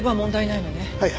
はい。